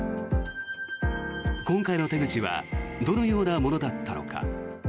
今回の手口はどのようなものだったのか。